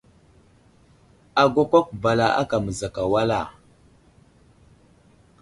Agakwákw bala aka məzakay wal a ?